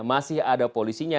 masih ada polisinya